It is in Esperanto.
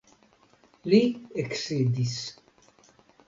Li eksidis.